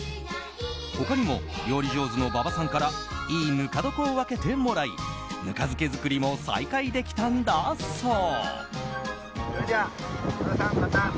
他にも、料理上手の馬場さんからいいぬか床を分けてもらいぬか漬け作りも再開できたんだそう。